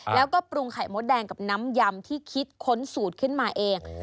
แล้วก็ปรุงไข่มดแดงกับน้ำยำที่คิดค้นสูตรขึ้นมาเอง